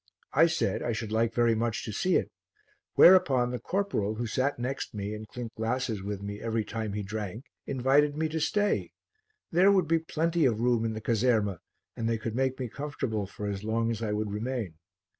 I said I should like very much to see it, whereupon the corporal, who sat next me and clinked glasses with me every time he drank, invited me to stay there would be plenty of room in the caserma and they could make me comfortable for as long as I would remain.